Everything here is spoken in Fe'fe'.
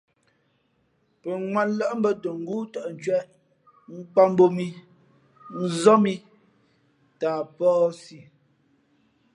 Pαŋwátlάʼ bᾱ tα ngóó tαʼ ncwēʼ, nkwāt mbōb mǐ, nzób ī tα a pᾱαsi.